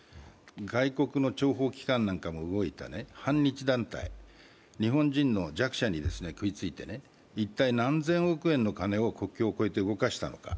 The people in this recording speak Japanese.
外国の諜報機関なんかも動いて反日団体、日本人の弱者に食いついて一体、何千億円の金を国境を越えて動かしたのか。